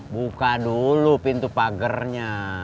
buka dulu pintu pagernya